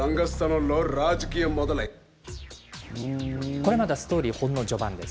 これはまだストーリーの序盤です。